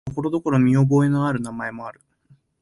ただ、ところどころ見覚えのある名前もある。